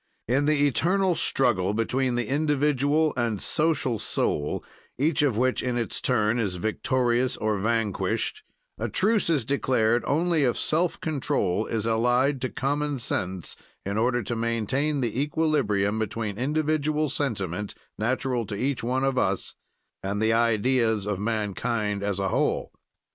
"In the eternal struggle between the individual and social soul, each of which, in its turn, is victorious or vanquished, a truce is declared only if self control is allied to common sense, in order to maintain the equilibrium between individual sentiment, natural to each one of us, and the ideas of mankind as a whole.